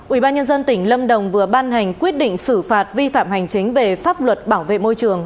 ủy ban nhân dân tỉnh lâm đồng vừa ban hành quyết định xử phạt vi phạm hành chính về pháp luật bảo vệ môi trường